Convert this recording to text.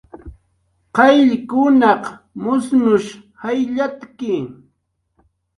Qayllkunaq musnush jayllatki